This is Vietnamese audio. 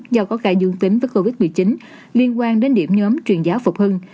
do có ca dương tính với covid một mươi chín liên quan đến điểm nhóm truyền giáo phục hưng